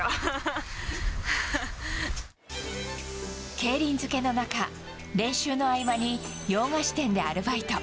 競輪漬けの中、練習の合間に洋菓子店でアルバイト。